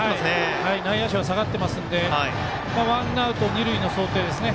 内野手が下がってますのでワンアウト二塁の想定ですね。